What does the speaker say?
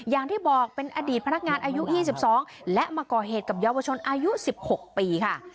อย่างที่บอกเป็นอดีตพนักงานอายุ๒๒และมาก่อเหตุกับเยาวชนอายุ๑๖ปีค่ะ